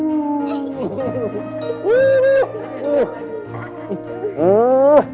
uh uh uh uh uh